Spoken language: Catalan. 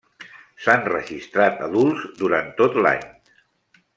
S'han registrat adults durant tot l'any.